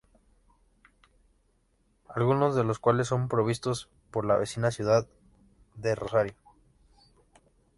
Algunos de los cuales son provistos por la vecina ciudad de Rosario.